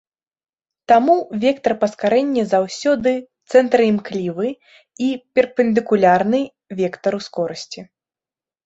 Таму вектар паскарэння заўсёды цэнтраімклівы і перпендыкулярны вектару скорасці.